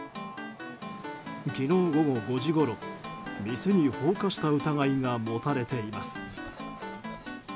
昨日午後５時ごろ、店に放火した疑いが持たれています。